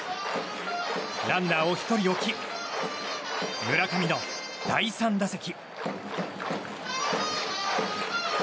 ランナーを１人置き村上の第３打席。